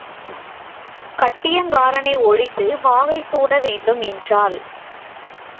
கட்டியங் காரனை ஒழித்து வாகை சூட வேண்டும் என்றாள்.